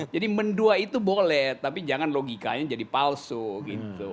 jadi mendua itu boleh tapi jangan logikanya jadi palsu gitu